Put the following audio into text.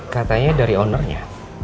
katanya dari ownernya